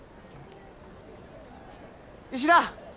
石田！